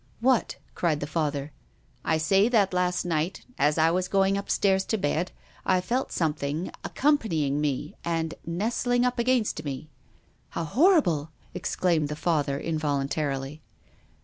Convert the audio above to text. " What ?" cried the Father. " I say that last night, as I was going upstairs to bed, I felt something accompanying me and nestling up against me." PROFESSOR GUILDEA. 327 " How horrible !" exclaimed the Father, invol untarily.